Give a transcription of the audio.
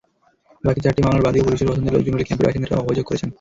বাকি চারটি মামলার বাদীও পুলিশের পছন্দের লোকজন বলে ক্যাম্পের বাসিন্দারা অভিযোগ করেছেন।